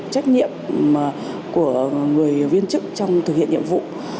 trách nhiệm của người viên chức trong thực hiện nhiệm vụ